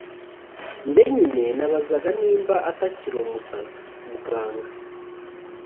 njye nyine nabazaga nimba atakiri umusazi! muganga